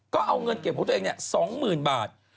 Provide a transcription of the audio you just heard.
ก็เอาเงินเก็บของตัวเอง๒๐๐๐บาท